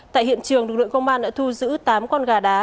tại hiện trường lực lượng công an đã thu giữ tám con gà đá